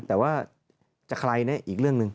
แต่ว่าจะใครนะอีกเรื่องหนึ่ง